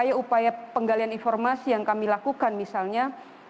upaya upaya penggalian informasi yang kami lakukan misalnya